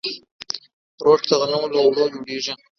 روټ د غنمو له اوړو جوړیږي.